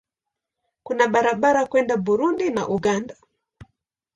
Kuna barabara kwenda Burundi na Uganda.